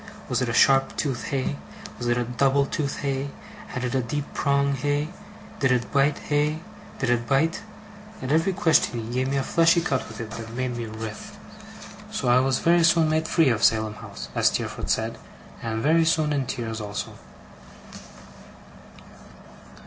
Was it a sharp tooth, hey? Was it a double tooth, hey? Had it a deep prong, hey? Did it bite, hey? Did it bite? At every question he gave me a fleshy cut with it that made me writhe; so I was very soon made free of Salem House (as Steerforth said), and was very soon in tears also.